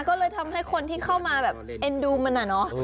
ก็เลยทำให้คนที่เข้ามาแบบเอ็นดูมันอะเนาะ